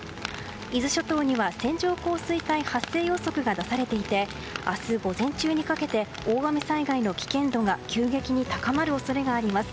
伊豆諸島には線状降水帯発生予測が出されていて明日午前中にかけて大雨災害の危険度が急激に高まる恐れがあります。